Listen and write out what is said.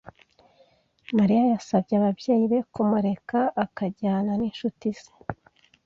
Mariya yasabye ababyeyi be kumureka akajyana n'inshuti ze.